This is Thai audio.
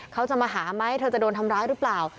เขาจะมาหาไหมเธอจะโดนทำร้ายหรือเปล่า